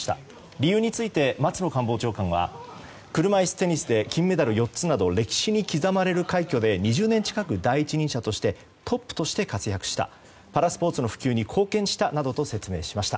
理由について、松野官房長官は車いすテニスで金メダル４つなど歴史に刻まれる快挙で２０年近く第一人者としてトップとして活躍したパラスポーツの普及に貢献したなどと説明しました。